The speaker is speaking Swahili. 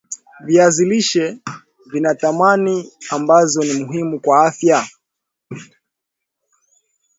viazi lishe vina vitamini ambazo ni muhimu kwa afya